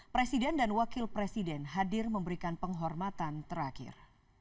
presiden dan wakil presiden hadir memberikan penghormatan terakhir